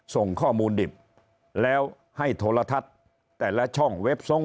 ส่งข้อมูลดิบแล้วให้โทรทัศน์แต่ละช่องเว็บทรง